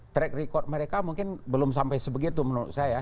track record mereka mungkin belum sampai sebegitu menurut saya